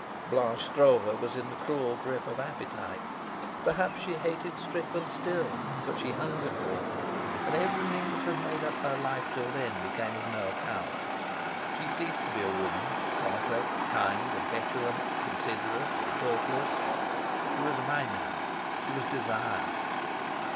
Blanche Stroeve was in the cruel grip of appetite. Perhaps she hated Strickland still, but she hungered for him, and everything that had made up her life till then became of no account. She ceased to be a woman, complex, kind and petulant, considerate and thoughtless; she was a Maenad. She was desire.